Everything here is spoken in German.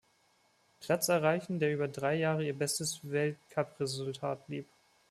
Platz erreichen, der über drei Jahre ihr bestes Weltcupresultat blieb.